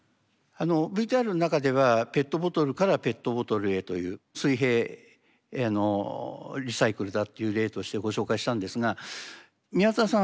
ＶＴＲの中ではペットボトルからペットボトルへという水平リサイクルだっていう例としてご紹介したんですが宮田さん